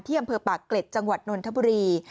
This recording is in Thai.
ที่อำเภอป่าเกล็ดจังหวัดนทบุรี